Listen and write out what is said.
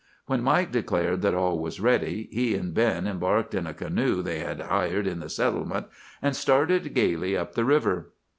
"When Mike declared that all was ready, he and Ben embarked in a canoe they had hired in the settlement, and started gayly up the river.